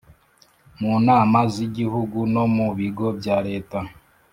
mu Nama z Igihugu no mu Bigo bya Leta